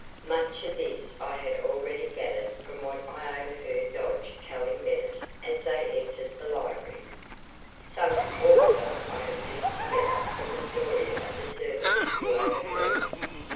Much of this I had already gathered from what I overheard Dodge telling Bennett as they entered the library. Some, also, I have pieced together from the story of a servant who overheard.